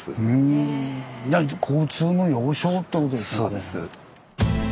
そうです。